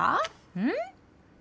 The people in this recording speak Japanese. うん？